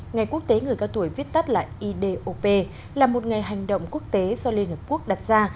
ngày quốc tế người cao tuổi viết tắt là idop là một ngày hành động quốc tế do liên hợp quốc đặt ra